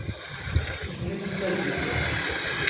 ⵉⵙ ⵏⵉⵜ ⵉⴼⴼⴰⵣⵣⵉ.